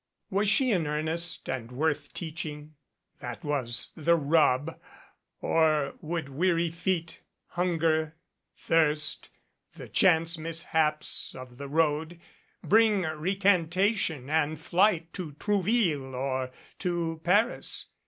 Was she in earnest and worth teaching? That was the rub, or would weary feet, hunger, thirst, the chance mishaps of the road bring recantation and flight to Trouville or to Paris?